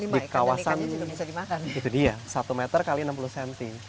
di kawasan itu dia satu meter kali enam puluh cm